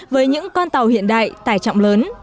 với những con tàu hiện đại tài trọng lớn